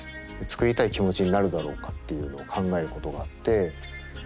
作りたい気持ちになるだろうかっていうのを考えることがあって。